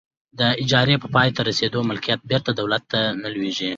د اجارې په پای ته رسیدو ملکیت بیرته دولت ته لویږي.